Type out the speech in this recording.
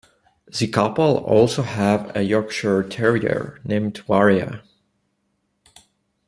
The couple also have a Yorkshire Terrier named Varia.